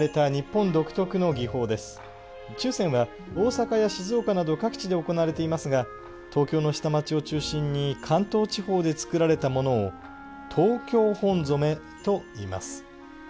注染は大阪や静岡など各地で行われていますが東京の下町を中心に関東地方でつくられたものを「東京本染」といいます。